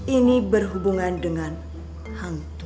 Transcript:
ini berhubungan dengan hantu